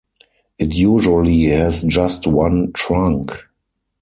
It usually has just one trunk.